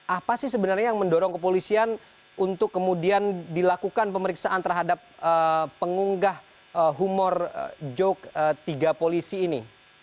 apa sih sebenarnya yang mendorong kepolisian untuk kemudian dilakukan pemeriksaan terhadap pengunggah humor joke tiga polisi ini